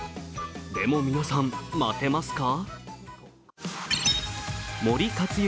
でも皆さん、待てますか。